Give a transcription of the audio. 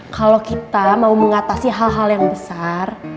kalau kita mau mengatasi hal hal yang besar